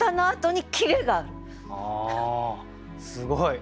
あすごい。